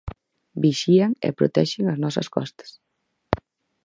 Vixían e protexen as nosas costas.